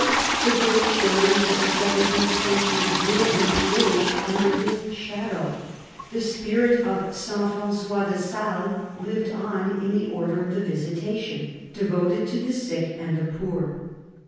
The great charities of the seventeenth century grew and flourished under his shadow. The spirit of St. Frangois de Sales lived on in the Order of the Visitation, devoted to the sick and the poor.